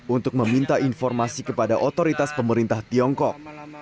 untuk meminta informasi kepada otoritas pemerintah tiongkok